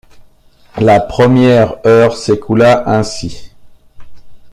La première heure s’écoula ainsi.